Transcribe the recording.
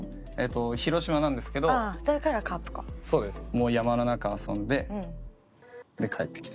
もう山の中遊んで。で帰ってきて。